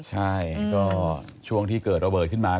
ใช่ก็ช่วงที่เกิดระเบิดขึ้นมา